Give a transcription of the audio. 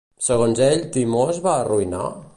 Segons ell, Timó es va arruïnar?